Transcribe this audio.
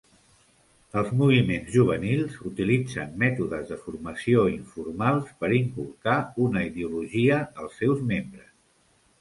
Els moviments juvenils utilitzen mètodes de formació informals per inculcar una ideologia als seus membres.